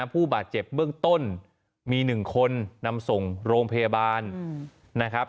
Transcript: ผู้บาดเจ็บเบื้องต้นมี๑คนนำส่งโรงพยาบาลนะครับ